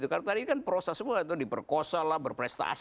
karena tadi kan proses semua diperkosa lah berprestasi